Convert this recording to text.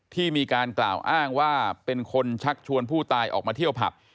ที่มีการกล่าวอ้างว่าเป็นคนชักชวนผู้ตายออกมาเที่ยวผับ